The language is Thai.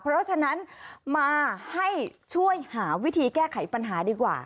เพราะฉะนั้นมาให้ช่วยหาวิธีแก้ไขปัญหาดีกว่า